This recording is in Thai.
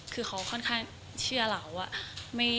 คือเขาค่อนข้างเชื่อเราว่า